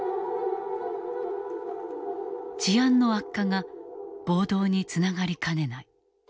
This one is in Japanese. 治安の悪化が暴動につながりかねない。